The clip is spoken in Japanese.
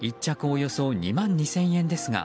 およそ２万２０００円ですが